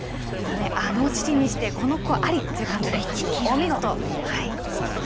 あの父にしてこの子ありという感じで、お見事。